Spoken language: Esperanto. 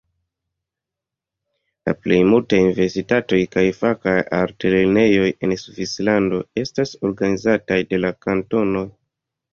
La plej multaj universitatoj kaj fakaj altlernejoj en Svislando estas organizitaj de la kantonoj.